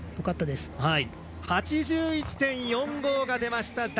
８１．４５が出ました。